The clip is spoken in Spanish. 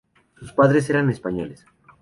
Sus padres eran españoles.